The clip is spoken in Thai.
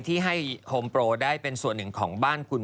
ที่ให้โฮมโปรได้เป็นส่วนหนึ่งของบ้านคุณ